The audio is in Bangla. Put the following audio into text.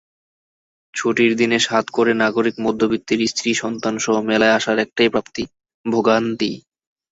ছুটির দিনে সাধ করে নাগরিক মধ্যবিত্তের স্ত্রী-সন্তানসহ মেলায় আসার একটাই প্রাপ্তি—ভোগান্তি।